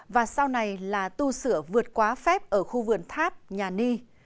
và sau này là tu sửa vượt quá phép ở khu vườn tháp nhà ni